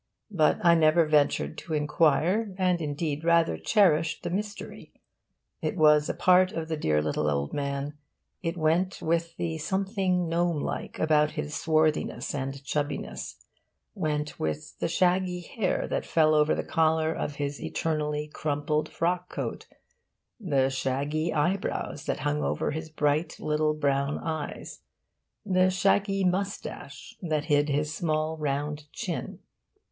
But I never ventured to inquire, and indeed rather cherished the mystery: it was a part of the dear little old man; it went with the something gnome like about his swarthiness and chubbiness went with the shaggy hair that fell over the collar of his eternally crumpled frock coat, the shaggy eyebrows that overhung his bright little brown eyes, the shaggy moustache that hid his small round chin.